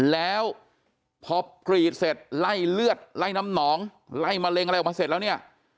แล้วพอกรีดเสร็จไล่เลือดไล่น้ำหนองไล่มะเร็งอะไรออกมาเสร็จแล้วเนี่ย